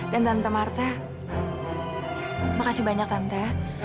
dan tante marta makasih banyak tante